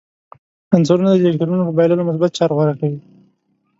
عنصرونه د الکترونونو په بایللو مثبت چارج غوره کوي.